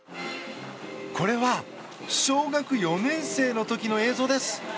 これは小学４年生の時の映像です。